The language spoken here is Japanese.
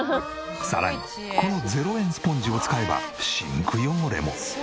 さらにこの０円スポンジを使えばシンク汚れも。